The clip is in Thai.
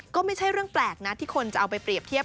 ก็ไม่ใช่เรื่องแปลกนะที่คนจะเอาไปเรียบเทียบ